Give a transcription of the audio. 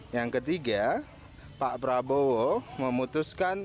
yang ketiga pak prabowo memutuskan